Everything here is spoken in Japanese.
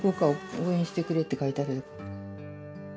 「応援してくれ」って書いてある。